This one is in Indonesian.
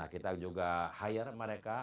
kita juga hire mereka